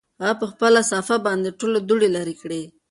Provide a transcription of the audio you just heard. هغه په خپله صافه باندې ټول دوړې لرې کړې.